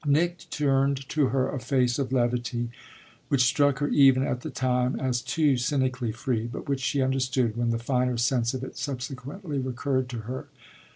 Nick turned to her a face of levity which struck her even at the time as too cynically free, but which she understood when the finer sense of it subsequently recurred to her.